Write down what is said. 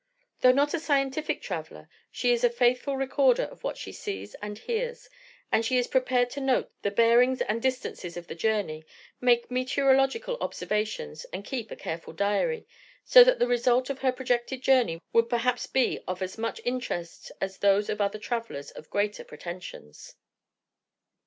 Though not a scientific traveller, she is a faithful recorder of what she sees and hears; and she is prepared to note the bearings and distances of the journey, make meteorological observations, and keep a careful diary so that the results of her projected journey would perhaps be of as much interest as those of other travellers of greater pretensions."